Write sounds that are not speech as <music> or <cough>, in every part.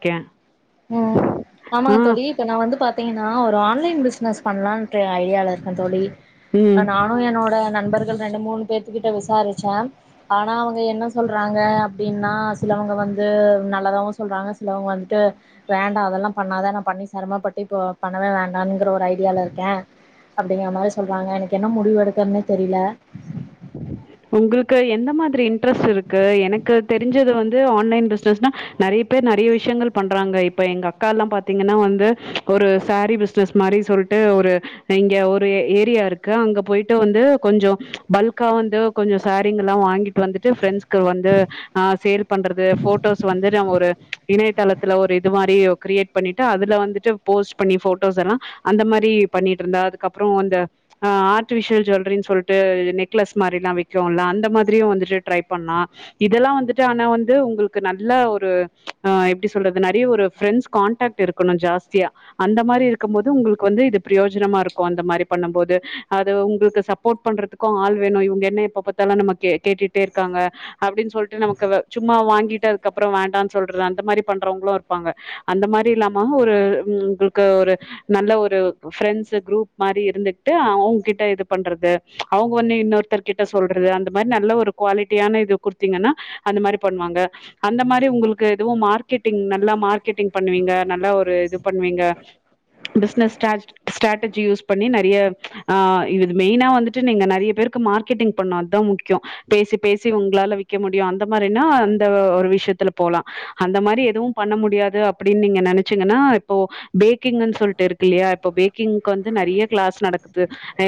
இருக்கேன் ம் ஆமாங்க தோழி ஆ இப்ப நா வந்து பாத்தீங்ன்னா ஒரு ஆன்லைன் பிசினஸ் பண்ணலான்ற ஐடியால இருக்க தோழி ம் என்னோட நண்பர்கள் ரெண்டு மூணு பேத்துகிட்ட விசாரிச்ச ஆனா அவங்க என்ன சொல்றாங்க அப்டின்னா சிலவங்க வந்து நல்லதாவு சொல்றாங்க சிலவங்க வந்த்ட்டு வேண்டா அதெல்லா பண்ணாதா நா பண்ணி சிரமப்பட்டு இப்ப பண்ணவே வேண்டாங்கற ஒரு ஐடியால இருக்க அப்டிங்கற மாரி சொல்றாங்க எனக்கு என்ன முடிவெடுக்கறதுனே தெரில <inaudible> உங்களுக்கு என்ன மாதிரி இன்ட்ரஸ்ட் இருக்கு எனக்கு தெரிஞ்சது வந்து ஆன்லைன் பிஸ்னஸ்னா நெறையப் பேர் நெறைய விஷயங்கள் பண்றாங்க இப்ப எங்க அக்காலாம் பாத்தீங்கன்னா வந்து ஒரு சேரி பிசினஸ் மாரி சொல்ட் டு ஒரு இங்க ஒரு ஏரியா இருக்கு அங்க போயிட்டு வந்து கொஞ்சோ பல்க்கா வந்து கொஞ்சோ சேரீங்கல்லா வாங்கிட்டு வந்துட்டு ஃப்ரெண்ட்ஸ் க்கு வந்து ஆ சேல் பண்றது போட்டோஸ் வந்து நம்ம ஒரு‌ இணையதளத்துல ஒரு இது மாரி கிரியேட் பண்ணிட்டு அதுல வந்துட்டு போஸ்ட் பண்ணி போட்டோஸ் எல்லா அந்த மாரி பண்ணிட்டு இருந்தா அதுக்கப்றோ அந்த அர்ட் விசுவல் ஜுவல்லரின்னு சொல்ட்டு நெட் க்லஸ் மாரிலா விக்குல அந்த மாதிரியு வந்துட்டு ட்ரை பண்ணா இதெல்லா வந்துட்டு ஆனா வந்து உங்களுக்கு நல்ல ஒரு ஆ எப்டி சொல்றது நிறைய ஒரு ஃரெண்ட்ஸ் கான்டாக்ட் இருக் கொணஞ் ஜாஸ்தியா அந்த மாரி இருக்கும் போது உங்களுக்கு வந்து இது பிரயோஜனமா இருக்கு அந்த மாரி பண்ணும் போது அது உங்களுக்கு சப் ப்போர்ட் பண்றதுக்கு ஆள் வேணு இவங்க என்ன எப்ப பத்தாலு நம்மக் கே கேட்டுட்டே இருக்காங்க அப்டின்னு சொல்ட்டு நமக்கு சும்மா வாங்கிட்டு அதுக்கப்றோ வேண்டான்னு சொல்றது அந்த மாரி பண்றவங்களு இரு ப்பாங்க அந்த மாரி இல்லாம ஒரு ம் உங்களுக்கு ஒரு நல்ல ஒரு பிரெண்ட்ஸ் குரூப் மாரி இருந்துக்ட்டு அவங்க கிட்ட இது பண்றது அவங்க வந் இன்னொருத்தர்கிட்ட சொல்றது அந்த மாரி நல்ல ஒரு குவாலிட்டியான இது குடுத்தீங்ன்னா அந்த மாரி பண்ணுவாங்க அந்த மாறி உங்களுக்கு எதுவும் மார்க்கெட்டிங் நல்லா மார்க்கெட்டிங் பண்ணுவீங்க நல்லா ஒரு இது பண்ணுவீங்க பிசினஸ் ஸ்டார்ச்ட் ஸ்டாட்டெர்ஜி யூஸ் பண்ணி நிறைய ஆ இது மெயினா வந்துட்டு நீங்க நெறைய பேர்க்கு மார்க்கெட்டிங் பன்னு அதா முக்யோ பேசி பேசி உங்களால விக்க முடியு அந்த மாரினா அந்த ஒரு விஷயத்துல போலா அந்த மாறி எதுவு பண்ண முடியாது அப்டின்னு நீங்க நெனச்சீங்கன்னா இப்போ பேக்கிங்ன்னு சொல்ட்டு இருக்கு ல்லையா இப்ப பேக்கிங்க்கு வந்து நெறைய கிளாஸ் நடக்குது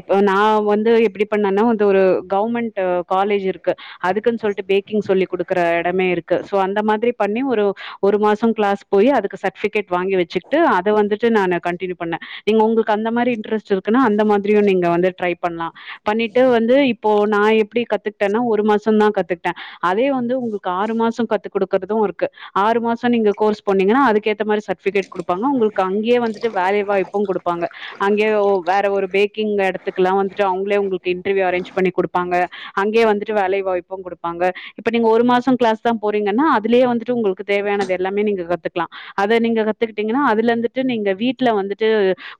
இப்ப நா வந்து எப்டி பண்ணனா அது ஒரு கவர்மெண்ட் காலேஜ் இருக்கு அதுக்குனு சொல்ட்டு பேக்கிங் சொல்லி குடுக்குற எடமே இருக்கு சோ அந்த மாதிரி பண்ணி ஒரு ஒரு மாசோ கிளாஸ் போய் அதுக்கு சர்டிபிகேட் வாங்கி வெச்சுட்டு அத வந்துட்டு நானு கண்டினியூ பண்ண நீங்க உங்களுக்கு அந்த மாரி இன்ட்ரெஸ்ட் இருக்குனா அந்த மாதிரியு நீங்க வந்து ட்ரை பண்லா பண்ணிட்டு வந்து இப்போ நா எப்டி கத்துக்கிட்டேனா ஒரு மாசோந்தா கத்துக்கிட்டே அதே வந்து உங்களுக்கு ஆறு மாசோ கத்து குடுக்கறது இருக்கு ஆறு மாசோ நீங்க கோர்ஸ் போனிங்கனா அதுக்கேத்தமாறி சர்பிகேட் கொடுப்பங்க உங்களுக்கு அங்கேயே வந்துட் ட்டு வேலைவாய்ப்பு குடுப்பாங்க அங்கயே ஓ வேற ஒரு பேக்கிங் எடத்துக்கெல்லா வந்துட்டு அவுங்களே உங்ளு இன்ட்ரிவியூ அரேஞ்ச் பண்ணி குடுப்பாங்க அங்கேயே வந்துட்டு வேலை வாய்ப்பு குடுப்பாங்க இப்ப நீங்க ஒரு மாசோ கிளாஸ் தா போறீங்கனா அதுலேயே வந்துட்டு உங்களுக்கு தேவயானது எல்லாமே நீங்க கத்துக்கலா அத நீங்க கத்துக்கிட்டீங்கனா அதுல இருந்துட்டு நீங்க வீட்டுல வந்துட்டு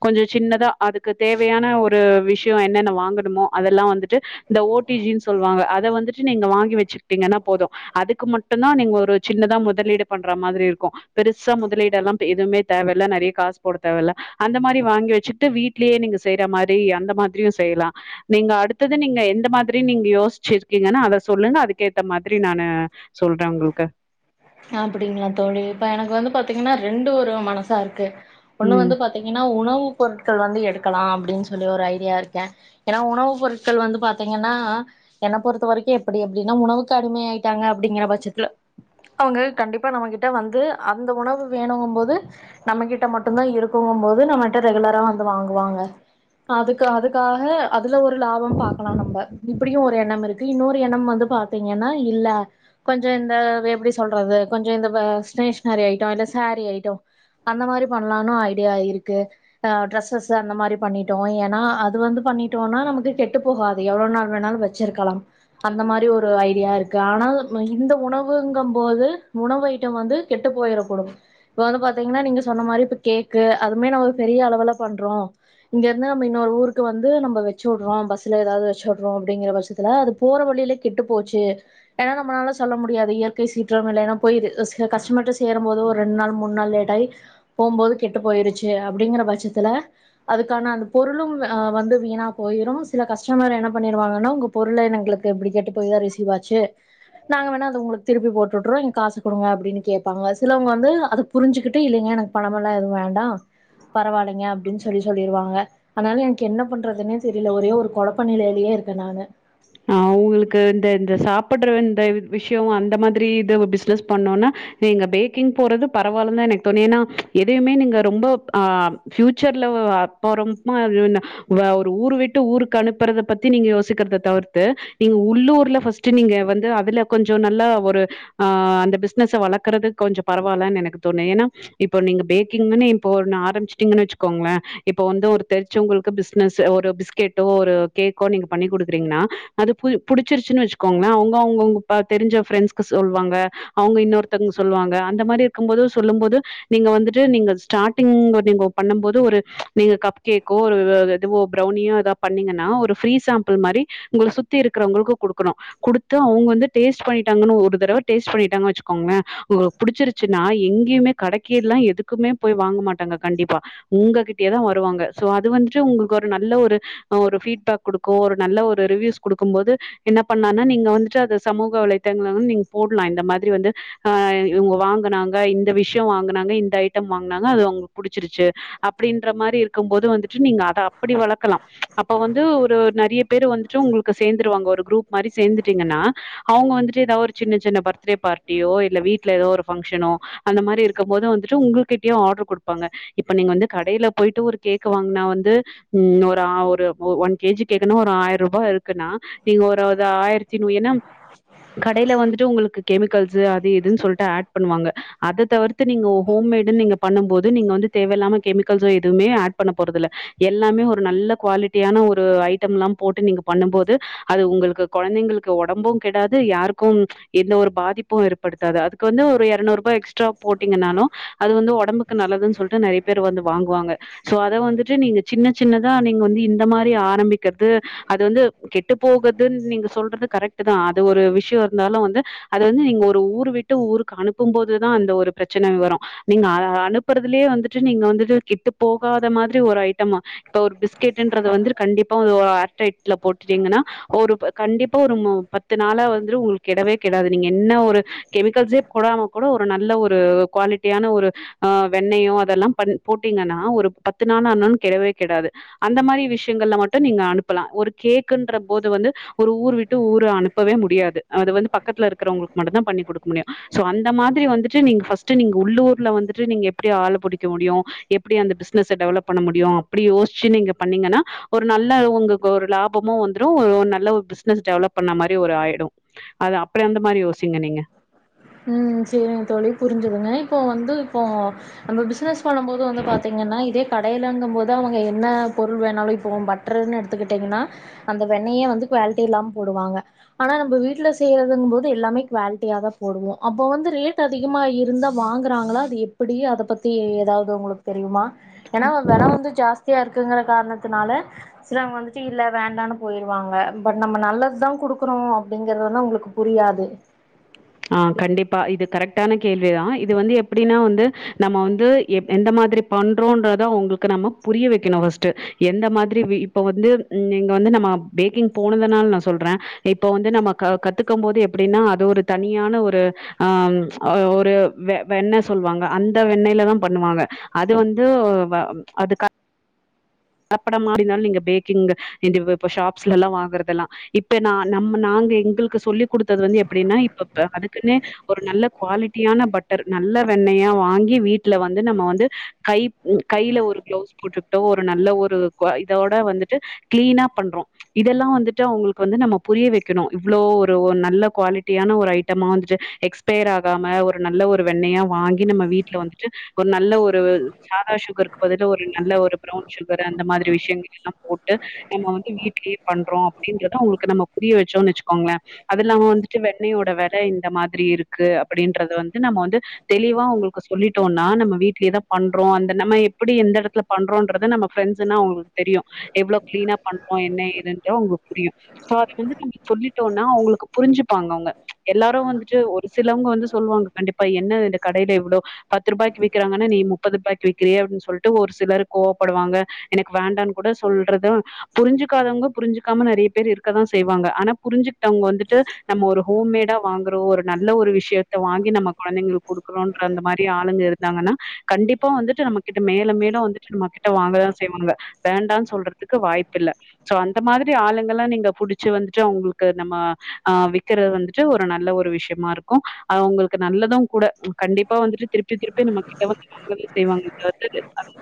கொஞ்சோ சின்னதா அதுக்கு தேவையான ஒரு விஷ்யோ என்னென்ன வாங்கணுமோ அதெல்லா வந்துட்டு இந்த ஓ டி ஜி னு சொல்வாங்க அத வந்துட்டு நீங்க வாங்கி வச்சுக்கிட்டீங்கனா போது அதுக்கு மட்டுந்தா நீங்க ஒரு சின்னதா முதலீடு பண்ற மாதிரி இருக்கு பெருசா முதலீடு எல்லா பே எதுவுமே தேவல்ல நெறைய காசு போட தேவ இல்ல அந்த மாரி வாங்கி வெச்சுட்டு வீட் ட்லே நீங்க செய்ற மாரி அந்த மாதிரியு செய்யலா நீங்க அடுத்தது நீங்க எந்த மாதிரி நீங்க யோசிச்சிருக்கீங்கனு அத சொல்லுங்க அதுக்கேத்த மாதிரி நானு சொல்ற உங்களுக்கு அப்டிங்களா தோழி இப்ப எனக்கு வந்து பாத்தீங்கனா ரெண்டு ஒரு மனசா இருக்கு ஒண்ணு ம் வந்து பாத் தீங்கனா உணவு பொருட்கள் வந்து எடுக்கலா அப்டினு சொல்லி ஒரு ஐடியா இருக்கே ஏனா உணவு பொருட்கள் வந்து பாத்தீங்கனா என்ன பொறுத்த வரைக்கு எப்டி அப்டினா உணவுக்கு அடிமை ஆயிட்டாங்க அப்டிங்கிற பட்சத்துல அவுங்க கண்டிப்பா நம்மகிட்ட வந்து அந்த உணவு வேணுங்கு போது நம்மகிட்ட மட்டுதா இருக்குங்க போது நம்மட்ட ரெகுலரா வந்து வாங்குவாங்க அதுக்கு அதுக்காக அதுல ஒரு லாபம் பாக்கலா நம்ப இப்டியு ஒரு எண்ணம் இருக்கு இன்னொரு எண்ணம் வந்து பா த்தீங்கனா இல்ல கொஞ்சோ இந்த எப்டி சொல்றது கொஞ்சோ இந்த ப ஸ்டேஷனரி ஐட்டோ இல்ல சாரீ ஐட்டோ அந்த மாரி பண்ணலானு ஐடியா இருக்கு அ டிரெஸ்ஸஸ் அந்த மாரி பண்ணி ட்டோ ஏனா அது வந்து பண்ணிட்டோனா நமக்கு கெட்டு போகாது எவ்ளோ நாள் வேணுனாலு வச்சிருக்கலா அந்த மாரி ஒரு ஐடியா இருக்கு ஆனால் இந்த உணவுங்க போது உணவு ஐட்டோ வந்து கெட்டு போயிறக்கூடும் இப்ப வந்து பாத்தீங்கனா நீங்க சொன்ன மாரி இப்ப கேக்கு அதுமே நம்ம ஒரு பெரிய அளவுல பண்றோ இங்க இருந்து நம்ம இன்னொரு ஊருக்கு வந்து நம்ம வச்சு உட்றோ பஸ்ல ஏதாவது வச்சு உட்றோ அப்டிங்கிற பட்சத்துல அது போற வழியிலே கெட்டு போச்சு ஏனா நம்மளால சொல்ல முடியாது இயற் கை சீற்றம் இல்லனா போய்து ரிஸ்க்கு கஸ்டமர்ட்ட சேருபோது ஒரு ரெண் நாள் மூண் நாள் லேட் ஆயி போம்போது கெட்டு போயிருச்சு அப்டிங்கிற பட்சத்துல அதுக்கான அந்த பொருளு ஆ வந்து வீணா போயிரு சில கஸ்டமர் என்ன பண்ணிருவாங்கனா உங்க பொருளே எனங்களுக்கு இப்டி கெட்டு போய் தா ரிசீவ் ஆச்சு நாங்க வேணா அத உங்களுக்கு திருப்பி போட்வுட்றோ நீங்க காசு குடுங்க அப்டினு கேப்பாங்க சிலவுங்க வந்து அத புரிஞ்சுக்கிட்டு இல்லீங்க எனக் பணமெல்லா எதுவு வேண்டா பரவால்லைங்க அப்டினு சொல்லி சொல்லிருவாங்க அதனால எனக்கு என்ன பண்றதுன்னே தெரில ஒரே ஒரு கொழப் ப நெலைலேயே இருக்க நானு ஔ உங்களுக்கு இந்த இந்த சாப்பட்ற இந்த விஷ்யோ அந்த மாதிரி இதவு பிசினஸ் பண்ணோனா நீங்க பேக்கிங் போறது பரவால்ல தா எனக்கு தோணு ஏன்னா எதயுமே நீங்க ரொம்போ அஹ் ஃபியூச்சர்ல ஒ அப்பறோமா ஒரு வின்ன வ ஒரு ஊர் விட்டு ஊருக்கு அனுப் பறத பத்தி நீங்க யோசிக்கிறத தவிர்த்து நீங்க உள்ளூர்ல ஃபஸ்ட்டு நீங்க வந்து அதுல கொஞ்சோ நல்லா ஒரு ஆஹ் அந்த பிசினஸ வளக்குறதுக்கு கொஞ்சோ பரவால்லனு எனக்கு தோணு ஏனா இப்போ நீங்க பேக்கிங்னு இப்போ ஒண்ணு ஆரம்பிச்சுட்டீங்கனு வச்சுக்கோங்கள இப்ப வந்து ஒரு தெரிச்சவங்களுக்கு பிசினஸ்சு ஒரு பிஸ்கேட்டோ ஒரு கேக்கோ நீங்க பண்ணி குடுக்கறீங்கன்னா அது பு புடிச்சிருச்சுன்னு வச்சுக்கோங்கள அவுங்க அவுங்கவுங்க தெரிஞ்ச ஃப்ரெண்ட்ஸ் சொல்வாங்க அவங்க இன்னொருத்தவங்க சொல்லுவாங்க அந்த மாதிரி இருக்கும்போது சொல்லும் போது நீங்க வந்துட்டு நீங்க ஸ்டார்டிங் நீங்க பண்ணம் போது ஒரு நீங்க கப் கேக்கோ ஒரு வோ பிரௌனியோ எதா பண்ணீங்கன்னா ஒரு ஃப்ரீ சாம்பிள் மாரி உங்கள சுத்தி இருக்கறவங்களுக்கு குடுக்கணு குடுத்து அவுங்க வந்து டேஸ்ட் பண்ணிட்டாங்கன்னு ஒரு தடவ டேஸ்ட் பண்ணிட்டாங்க வச்சுக்கோங்களே உங்களுக்கு புடிச்சிருச்சு னா எங்கியுமே கடைக்கேல்லா எதுக்குமே போய் வாங்க மாட்டாங்க கண்டிப்பா உங்ககிட்டயேதா வருவாங்க சோ அது வந்துட்டு உங்களுக்கு ஒரு நல்ல ஒரு ஒரு பீட்பேக் குடுக்கு ஒரு நல்ல ஒரு ரிவ்யூஸ் குடுக்கும் போது என்ன பண்ணானா நீங்க வந்துட்டு அது சமூக வலைத்தளங்கள்ள வந்து நீங்க போட்லா இந்த மாதிரி வந்து ஆ இவுங்க வாங்கனாங்க இந்த விஷ்யோ வாங்கனாங்க இந்த ஐட்டம் வாங்கனாங்க அது அவுங்களுக்கு புடிச்சிருச்சு அப்டின்ற மாரி இருக்கும்போது வந்துட்டு நீங்க அத அப்டி வளக்கலா அப்ப வந்து ஒரு நெறைய பேரு வந்துட்டு உங்களுக்கு சேந்துருவாங்க ஒரு குரூப் மாரி சேந்துட்டீங்கன்னா அவுங்க வந்துட்டு எதாவ்து ஒரு சின்ன சின்ன பர்த்டே பார்ட்டியோ இல்ல வீட்டல எதோ ஒரு பங்க்ஷனோ அந்த மாரி இருக்கும் போது வந்துட்டு உங்க கிட்டயு ஆடரு குடுப்பாங்க இப்ப நீங்க வந்து கடையில போயிட்டு ஒரு கேக்கு வாங்கினா வந்து ம் ஒரு ஆ ஒரு ஒன் கே ஜி கேக்கணு ஒரு ஆயிர்ருபா இருக் குனா நீங்க ஒரு அது ஆயிரத்தி நூ ஏனா கடைல வந்துட்டு உங்களுக்கு கெமிக் கல்ஸ் அது இதுன்னு சொல்ட்டு ஆட் பண்ணுவாங்க அத தவிர்த்து நீங்க ஹோம் மேட்னு நீங்க பண்ணும் போது நீங்க வந்து தேவையில்லாம கெமிக்கல்ஸோ எதுவுமே ஆட் பண்ண போறதுல்ல எல்லாமே ஒரு நல்ல குவாலிட்டியான ஒரு ஒரு ஐட்டம்லா போட்டு நீங்க பண்ணு போது அது உங்களுக்கு கொழந்தைங்களுக்கு ஒடம்பு கெடாது யாருக்கும் எந்த ஒரு பாதிப்பு ஏற்படுத்தாது அதுக்கு வந்து ஒரு எர்னுருபா எக்ஸ்ட்ரா போட்டீங்கன்னாலு அது வந்து ஒடம்புக்கு நல்லதுன் சொல்ட்டு நெறைய பேர் வந்து வாங்குவாங்க சோ அத வந்துட்டு நீங்க சின்ன சின்னதா நீங்க வந்து இந்த மாரி ஆரம்பிக்கிறது அது வந்து கெட்டு போகுதுன் நீங்க சொல்றது கரெட்டு தா அது ஒரு விஷ்யோ இருந்தாலு வந்து அத வந்து நீங்க ஒரு ஊர் விட்டு ஊருக்கு அனுப்பும் போதுதா அந்த ஒரு பிரச்சனே வரு நீங்க அனுப்புறதுலயே வந்துட்டு நீங்க வந்துட்டு கெட்டு போகாத மாத்ரி ஒரு ஐட்டம இப்ப ஒரு பிஸ்கெட்ன்றது வந்துட்டு கண்டிப்பா ஓ ஏர் டைட்ல போட்டுட்டீங்கன்னா ஒரு கண்டிப்பா ஒரு மு பத்து நாளா வந்துட்டு உங்களுக்கு கெடவே கெடாது நீங்க என்ன ஒரு கெமிக்கல்ஸே போடாம கூட ஒரு நல்ல ஒரு குவாலிட்டியான ஒரு ஆ வெண்ணயோ அதெல்லா பண் போட்டீங்கனா ஒரு பத்து நாள் ஆனாலு கெடவே கெடாது அந்த மாரி விஷ்யங்கள்ல மட்டு நீங்க அனுப்பலா ஒரு கேக் குன்ற போது வந்து ஒரு ஊர் விட்டு ஊரு அனுப்பவே முடியாது அது வந்து பக்கத்துல இருக்கறவங்களுக்கு மட்டுந்தா பண்ணி குடுக்க முடியு சோ அந்த மாத்ரி வந்துட்டு நீங்க ஃபஸ்ட்டு உள்ளூர்ல வந்துட்டு நீங்க எப்டி ஆள புடிக்க முடியு எப்டி அந்த பிசினஸ்ஸ டெவலப் பண்ண முடியு அப்டி யோசிச்சு நீங்க பண்ணீங்கன்னா ஒரு நல்ல உங்களுக்கு ஒரு லாபமு வந்துடு நல்ல ஒரு பிசினஸ் டெவலப் பண்ண மாரி ஒரு ஆயிடு அது அப்பற அந்த மாரி யோசிங்க நீங்க ம் செரிங்க தோழி புரிஞ்சுதுங்க இப்போ வந்து இப்போ நம்ம பிசினஸ் பண்ணும் போது வந்து பாத்தீங்கன்னா இதே கடையிலங்கும் போது அவுங்க என்ன பொருள் வேணாலு இப்போ பட் ருன்னு எடுத்துக்கிட்டீங்கன்னா அந்த வெண்ணயே வந்து குவாலிட்டி இல்லாம போடுவாங்க ஆனா நம்ம வீட்ல செய்யறதுங் போது எல்லாமே குவாலிட்டிய தா போடுவோ அப்ப வந்து ரேட் அதிகமா இருந்தா வாங்குறாங்களா அது எப்டி அத பத் தி எதாவ்து உங்களுக்கு தெரியுமா ஏனா வெல வந்து ஜாஸ்தியா இருக்குங்கிற காரணத்தினால சிலவங்க வந்துட்டு இல்ல வேண்டானு போயிருவாங்க பட் நம்ம நல்லத்தா குடுக்குறோ அப்டிங்கிறது வந்து அவுங்களுக்கு புரியாது ஆ கண்டிப்பா இது கரெக்டான கேள்விதா இது வந்து எப்டின்னா வந்து நம்ம வந்து எப் எந்த மாதிரி பண்றோன்றத அவுங்களுக்கு நாம புரிய வெய்க்கணு ஃபஸ்ட்டு எந்த மாதிரி இப்ப வந்து இங்க வந்து நம்ம பேக்கிங் போனதுனால நா சொல்றே இப்ப வந்து நம்ம க கத்துக்கும் போது எப்டின்னா அது ஒரு தனியான ஒரு ஆ ஒரு வெ வெண்ண சொல்லுவாங்க அந்த வெண்ணெயில தா பண்ணுவாங்க அது வந்து வ அது க லப்பட மாரிருந்தாளு நீங்க பேக்கிங் இந்த இப்ப ஷாப்ஸ்ல எல்லா வாங்குறதெல்லா இப்ப நா நம்மு நாங்க எங்களுக்கு சொல்லிக் குடுத்தது வந்து எப்டின்னா இப்ப அதுக்குன்னே ஒரு நல்ல குவாலிட்டியான பட்டர் நல்ல வெண்ணெயா வாங்கி வீட்ல வந்து நம்ம வந்து கை கையில ஒரு கிளவுஸ் போட்டுக்கிட்டோ ஒரு நல்ல ஒரு கோ இதோட வந்துட்டு க்ளீனா பண்றோ இதெல்லா வந்துட்டு அவுங்களுக்கு வந்து நம்ம புரிய வெக்கணு இவ்ளோ ஒரு நல்ல குவாலிட்டியான ஒரு ஐட்டமா வந்துட்டு எக்ஸ் பேர்றாகாம ஒரு நல்ல ஒரு வெண்ணெயா வாங்கி நம்ம வீட்ல வந்துட்டு ஒரு நல்ல ஒரு சாதா சுகர்க்கு பதிலு ஒரு நல்ல ஒரு ப்ரவுன் சுகர் அந்த மாதிரி விஷயங்கள் எல்லா போட்டு நம்ம வந்து வீட்லே பண்றோ அப்டின்றத அவ்ங்களுக்கு நம்ம புரிய வச்சோன்னு வச்சுக்கோங்களே அதுல அவெ வந்துட்டு வெண்ணெயோட வெற இந்த மாதிரி இருக்கு அப்படின்றத வந்து நம்ம வந்து தெளிவா உங்களுக்கு சொல்லிட்டோனா நம்ம வீட்லயேதா பண்றோ அந்த நம்ம எப்டி எ எடத்துல பண்றோன்ற து நம்ம ஃப்ரண்ட்ஸ்னா உங்களுக்கு தெரியு எவ்ளோ கிளீனா பண்றோ என்னா ஏதுன்டு உங்க புரியு சோ அத வந்து நம்ம சொல்லிட்டோனா அவங்களுக் புரிஞ்சுப்பாங்க அவங்க எல்லாரு வந்துட்டு ஒரு சிலவங்க வந்து சொல்லுவாங்க கண்டிப்பா என்ன இந்த கடைல இவ்ளோ பத்து ரூபாய்க்கு விக்கிறாங்கன்னா நீ முப்பது ரூபாய்க்கு விக்கிறியே அப்டின் சொல்ட்டு ஒரு சிலர் கோவப்படுவாங்க எனக்கு வேண்டான்னு கூட சொல்றத புரிஞ்சுக்காதவங்க புரிஞ்சுக்காம நெறைய பேர் இருக்கதா செய்வாங்க ஆனா புரிஞ்சு க்டவங்க வந்துட்டு நம்ம ஒரு ஹோம்மேடா வாங்குறோ ஒரு நல்ல ஒரு விஷயத்த வாங்கி நம்ம கொழந்தைங்களுக் குடுக்கொணுன்ற அந்த மாரி ஆளுங்க இருந்தாங்கன்னா கண்டிப்பா வந்துட்டு நம்மகிட்ட மேலும் மேலு வந்துட்டு நம ட்ட வாங்கதா செய்வாங்க வேண்டான் சொல்றதுக்கு வாய்ப்பு இல்ல சோ அந்த மாதிரி ஆளுங்கல்லா நீங்க புடிச்சு வந்துட்டு அவங்களுக்கு நம்ம ஆ விக்கறது வந்து ட்டு ஒரு நல்ல ஒரு விஷயமா இருக்கு அது அவங்களுக்கு நல்லதும் கூட அவங் கண்டிப்பா வந்துட்டு திருப்பி திருப்பி நம்ம கிட்ட வந்து வாங்கதா செய்வாங்க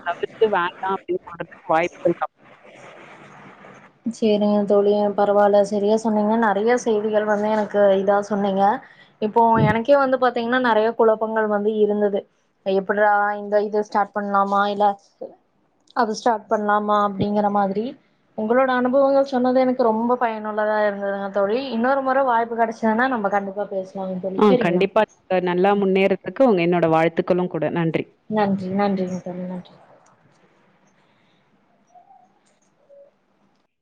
தவிர்த்து <inaudible> ண்டா அப்டி <unintelligible> <inaudible> வாய்ப்புகள் கம் சேரிங்க தொழி பரவால்ல சரியா சொன்னீங்க நெறையா செய்திகள் வந்து எனக்கு இதா சொன்னீங்க இப்போ எனக்கே வந்து பாத்தீங்கன்னா நெறைய குழப்பங்கள் வந்து இருந்துது எப்புட்றா இந்த இது ஸ்டார்ட் பண்ணலாமா இல்ல அது ஸ்டார்ட் பண்ணலாமா அப்டிங்கிற மாதிரி உங்களோட அனுபவங்கள் சொன்னது எனக்கு ரொம்ப பயனுள்ளதா இருந்ததுங்க தோழி இன்னொரு முற வாய்ப்பு கெடச் சான்னா நம்ம கண்டிப்பா பேசு ஆ கண்டிப்பா <inaudible> நல்லா முன்னேறதுக்கு உங்க என்னோட வாழ்த்துக்களும் கூட நன்றி நன்றி நன்றிங்க தோழி நன்றி